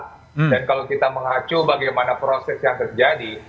dan kalau kita mengacu bagaimana proses yang terjadi